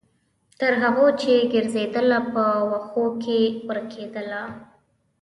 تر هغو چې ګرځیدله، په وښو کې ورکیدله